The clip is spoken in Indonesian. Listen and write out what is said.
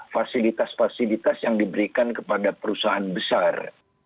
fasilitas fasilitas yang diberikan kepada perusahaan besar